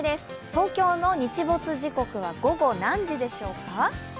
東京の日没時刻は午後何時でしょうか。